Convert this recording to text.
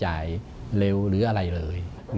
เพราะว่าเราอยู่ในเครือโรงพยาบาลกรุงเทพฯนี่ก็เป็นในระดับโลก